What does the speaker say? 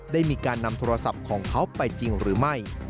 ได้มีการนำโทรศัพท์ของเขาไปจริงหรือไม่